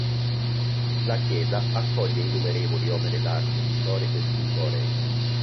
La chiesa accoglie innumerevoli opere d'arte pittoriche e scultoree.